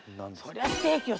そりゃステーキよ